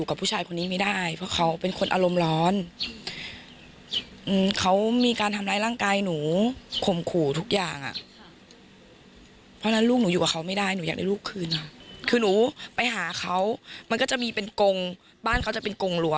คือหนูไปหาเขามันก็จะมีเป็นกงบ้านเขาจะเป็นกงหลัว